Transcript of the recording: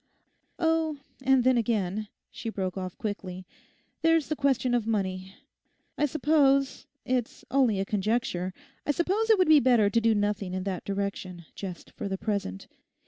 Oh, and then again,' she broke off quickly, 'there's the question of money. I suppose—it is only a conjecture—I suppose it would be better to do nothing in that direction just for the present.